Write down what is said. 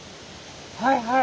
はいはい。